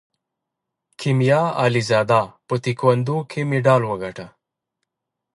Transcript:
کیمیا علیزاده په تکواندو کې مډال وګاټه.